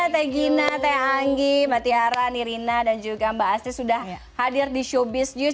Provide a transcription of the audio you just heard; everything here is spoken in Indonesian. teh gina teh anggi mbak tiara nirina dan juga mbak astri sudah hadir di showbiz news